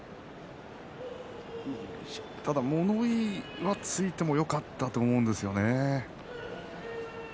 ただ物言いがついてもよかったと思うんですけどね。